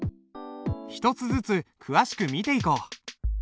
一つずつ詳しく見ていこう。